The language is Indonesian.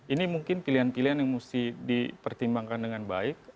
ini mungkin pilihan pilihan yang mesti dipertimbangkan dengan baik